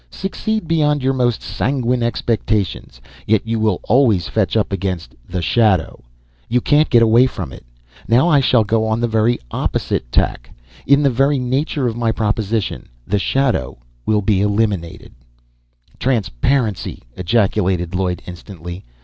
Succeed beyond your most sanguine expectations, yet you will always fetch up against the shadow. You can't get away from it. Now I shall go on the very opposite tack. In the very nature of my proposition the shadow will be eliminated—" "Transparency!" ejaculated Lloyd, instantly.